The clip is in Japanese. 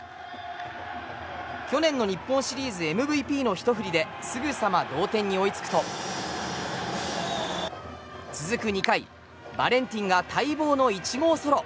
去年の日本シリーズＭＶＰのひと振りですぐさま同点に追いつくと続く２回バレンティンが待望の１号ソロ。